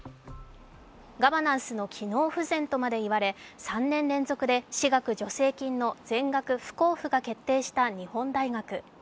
ガバナンスの機能不全とまで言われ３年連続で私学助成金の全額不交付が決定した日本大学。